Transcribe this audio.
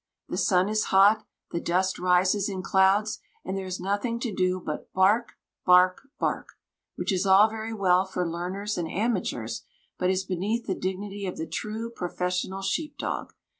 The sun is hot, the dust rises in clouds, and there is nothing to do but bark, bark, bark which is all very well for learners and amateurs, but is beneath the dignity of the true professional sheep dog.